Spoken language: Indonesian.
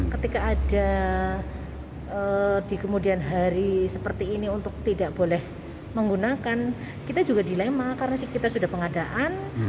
ketika ada di kemudian hari seperti ini untuk tidak boleh menggunakan kita juga dilema karena kita sudah pengadaan